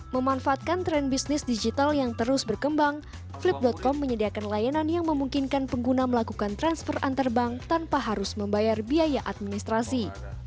memanfaatkan tren bisnis digital yang terus berkembang flip com menyediakan layanan yang memungkinkan pengguna melakukan transfer antar bank tanpa harus membayar biaya administrasi